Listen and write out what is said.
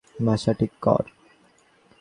ভাষা ঠিক কর।